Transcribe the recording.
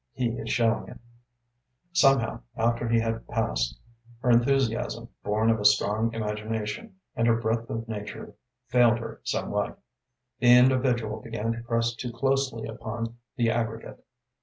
He is showing it." Somehow, after he had passed, her enthusiasm, born of a strong imagination, and her breadth of nature failed her somewhat. The individual began to press too closely upon the aggregate.